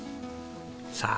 さあ